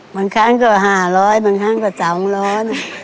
บางครั้งก็ห้าร้อยบางครั้งก็เจาะร้อน